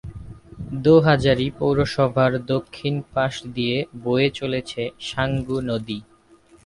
দোহাজারী পৌরসভার দক্ষিণ পাশ দিয়ে বয়ে চলেছে সাঙ্গু নদী।